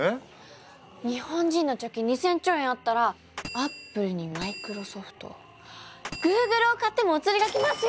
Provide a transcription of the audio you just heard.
日本人の貯金２，０００兆円あったらアップルにマイクロソフトグーグルを買ってもお釣りが来ますよ！